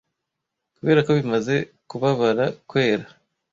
kuberako bimaze kubabara kwera